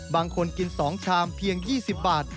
บางคนกิน๒ชามเพียง๒๐บาท